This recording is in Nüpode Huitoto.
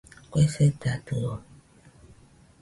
Kue sedadio.